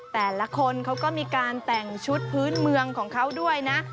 แต่ละคนเขาก็มีการแต่งชุดพื้นเมืองของเขาด้วยนะ